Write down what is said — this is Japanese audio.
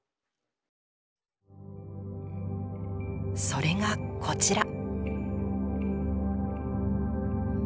それがこちら。